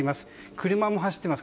車も走っています。